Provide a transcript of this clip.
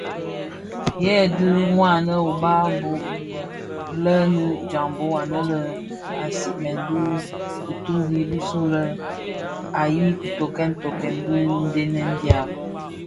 Hei dhi wanne ubaa bō: lènni, jambhog anèn a sigmèn bi kituri bisulè ǎyi tokkèn tokkèn dhidenèn dya.